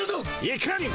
いかにも。